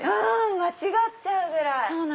間違っちゃうぐらい。